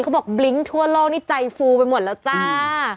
บอกบลิ้งทั่วโลกนี่ใจฟูไปหมดแล้วจ้า